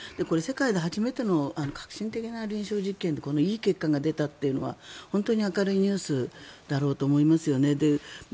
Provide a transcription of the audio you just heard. これ、世界で初めての革新的な臨床実験でいい結果が出たというのは本当に明るいニュースだろうと思いますよね。